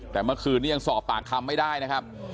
แต่เมื่อคืนนี้ยังสอบปากคำไม่ได้นะครับ